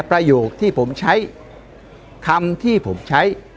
โปรดติดตามตอนต่อไป